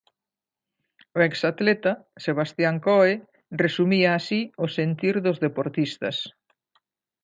O exatleta, Sebastián Coe resumía así o sentir dos deportistas.